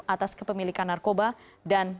atas kepemilikan narkoba dan